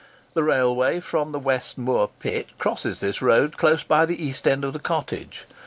The railway from the West Moor Pit crosses this road close by the east end of the cottage.